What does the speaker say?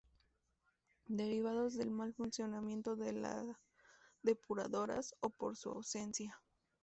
derivados del mal funcionamiento de la depuradoras o por su ausencia